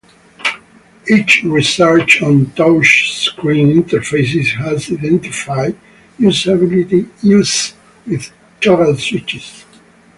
Early research on touchscreen interfaces has identified usability issues with toggle switches.